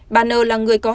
bà n là người giáo dục